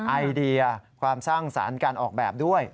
ไอเดียความสร้างสรรค์การออกแบบด้วย